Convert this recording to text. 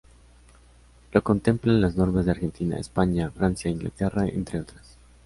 Lo contemplan las normas de Argentina, España, Francia, Inglaterra, entre otras.